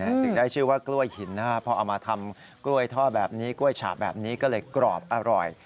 ถึงได้ชื่อว่ากล้วยหินนะครับพอเอามาทำกล้วยท่อแบบนี้กล้วยฉาบแบบนี้ก็เลยกรอบอร่อย